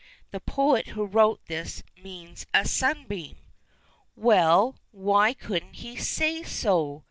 The poet who wrote this meant a sunbeam." "Well, why couldn't he say so?"